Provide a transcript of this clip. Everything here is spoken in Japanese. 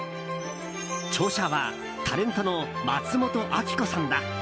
著者はタレントの松本明子さんだ。